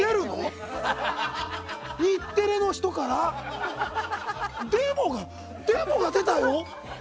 日テレの人から「でも」が出たの！